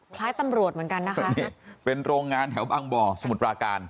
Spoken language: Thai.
คล้ายตำรวจเหมือนกันนะคะนี่เป็นโรงงานแถวบางบ่อสมุทรปราการ